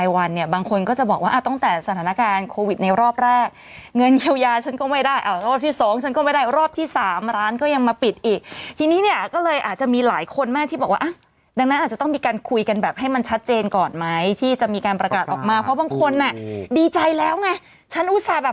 บางคนก็จะบอกว่าตั้งแต่สถานการณ์โควิดในรอบแรกเงินเยียวยาฉันก็ไม่ได้รอบที่๒ฉันก็ไม่ได้รอบที่๓ร้านก็ยังมาปิดอีกทีนี้เนี่ยก็เลยอาจจะมีหลายคนมากที่บอกว่าอ่ะดังนั้นอาจจะต้องมีการคุยกันแบบให้มันชัดเจนก่อนไหมที่จะมีการประกาศออกมาเพราะบางคนอ่ะดีใจแล้วไงฉันอุตส่าห์